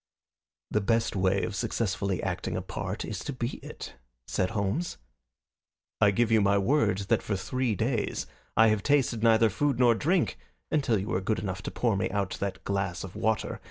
"The best way of successfully acting a part is to be it," said Holmes. "I give you my word that for three days I have tasted neither food nor drink until you were good enough to pour me out that glass of water.